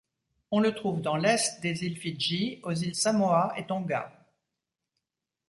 On le trouve dans l'est des îles Fidji, aux îles Samoa et Tonga.